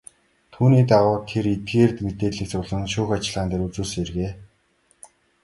Түүний дагуу тэр эдгээр мэдээллийг цуглуулан шүүх ажиллагаан дээр үзүүлсэн хэрэг.